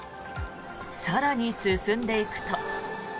更に進んでいくと。